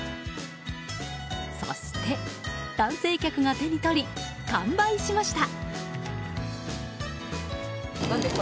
そして、男性客が手に取り完売しました。